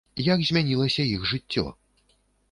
Як змянілася іх жыццё?